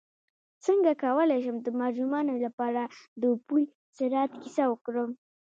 څنګه کولی شم د ماشومانو لپاره د پل صراط کیسه وکړم